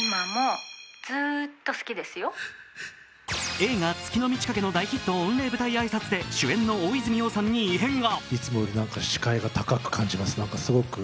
映画「月の満ち欠け」の大ヒット御礼舞台挨拶で主演の大泉洋さんに異変が。